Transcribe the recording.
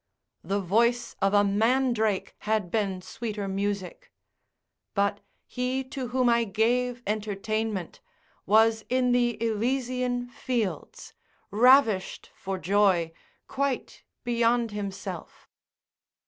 the voice of a mandrake had been sweeter music: but he to whom I gave entertainment, was in the Elysian fields, ravished for joy, quite beyond himself.